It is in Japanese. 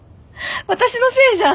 私のせいじゃん。